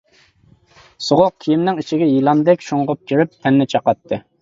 سوغۇق كىيىمنىڭ ئىچىگە يىلاندەك شۇڭغۇپ كىرىپ تەننى چاقاتتى.